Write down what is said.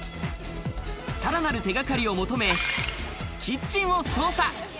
さらなる手がかりを求め、キッチンを捜査。